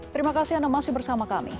terima kasih anda masih bersama kami